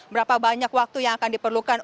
berapa banyak waktu yang akan diperlukan